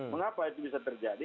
mengapa itu bisa terjadi